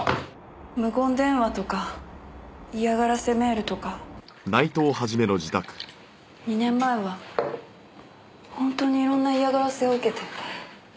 無言電話とか嫌がらせメールとか２年前は本当に色んな嫌がらせを受けて。